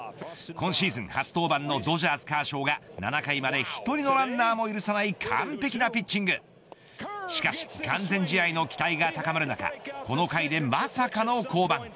今シーズン初登板のドジャース、カーショーが７回まで１人のランナーも許さない完璧なピッチングしかし完全試合の期待が高まる中この回で、まさかの降板。